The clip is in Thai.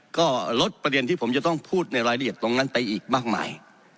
ก็ลดประเด็นที่ผมจะต้องพูดในรายละเอียดตรงนั้นไปอีกมากมาย